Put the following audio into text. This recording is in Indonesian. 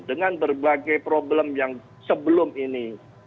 dengan berbagai problem yang sebelumnya